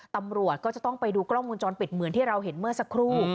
ตำรวจก็จะต้องไปดูกล้องมูลจรปิดเหมือนที่เราเห็นเมื่อสักครู่